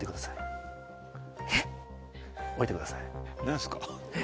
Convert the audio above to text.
何すか？